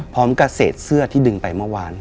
พร้อมกับเศษเสื้อที่ดึงไปเมื่อวาน